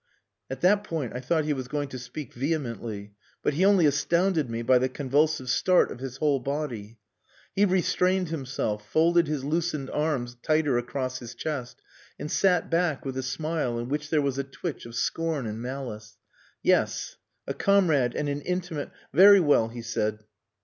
At that point I thought he was going to speak vehemently; but he only astounded me by the convulsive start of his whole body. He restrained himself, folded his loosened arms tighter across his chest, and sat back with a smile in which there was a twitch of scorn and malice. "Yes, a comrade and an intimate.... Very well," he said.